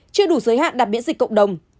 chưa đủ giới hạn đảm biện dịch cộng đồng